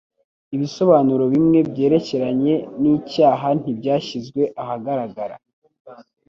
Ibisobanuro bimwe byerekeranye nicyaha ntibyashyizwe ahagaragara.